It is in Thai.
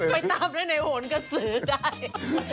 ไปตามได้ในโหนกระสือได้